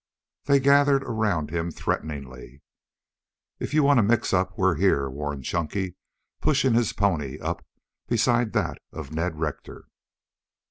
They gathered around him threateningly. "If you want a mix up, we're here," warned Chunky, pushing his pony up beside that of Ned Rector.